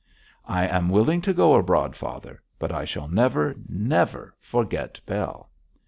'I am willing to go abroad, father, but I shall never, never forget Bell!'